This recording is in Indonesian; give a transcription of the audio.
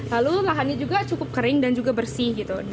lalu lahannya juga cukup kering dan juga bersih gitu